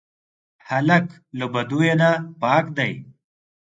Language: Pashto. هلک له بدیو نه پاک دی.